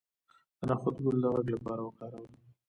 د نخود ګل د غږ لپاره وکاروئ